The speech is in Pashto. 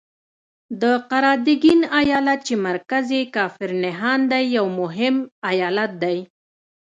د قراتګین ایالت چې مرکز یې کافر نهان دی یو مهم ایالت دی.